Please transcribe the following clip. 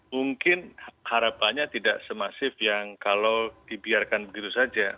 mungkin harapannya tidak semasif yang kalau dibiarkan begitu saja